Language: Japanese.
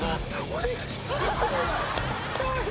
お願いします